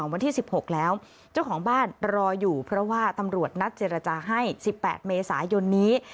วันที่๑๖แล้วเจ้าของบ้านรออยู่เพราะว่าตำรวจนัดเจรจาให้๑๘เมษายนนี้